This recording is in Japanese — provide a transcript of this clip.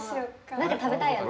何か食べたいよね。